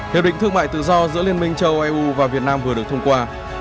hiệp định thương mại tự do giữa liên minh châu eu và việt nam vừa được thông qua